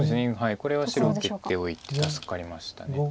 これは白受けておいて助かりました。